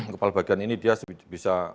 kepala bagian ini dia bisa